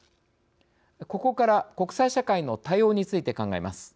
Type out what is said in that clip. ここから国際社会の対応について考えます。